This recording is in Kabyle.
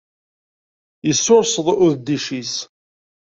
Yessurseḍ udeddic-is.